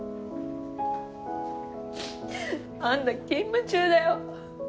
あんた勤務中だよ。